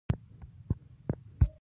څمکنیو ولسوالۍ کې جلکې ښوونځی ته ځي.